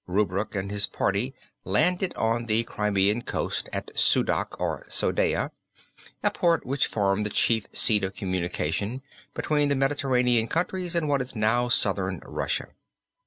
Rubruk and his party landed on the Crimean Coast at Sudak or Soldaia, a port which formed the chief seat of communication between the Mediterranean countries and what is now Southern Russia.